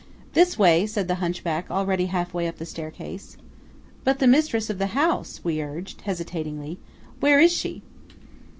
"This way," said the hunchback, already halfway up the staircase. "But the mistress of the house," we urged, hesitatingly; "where is she?"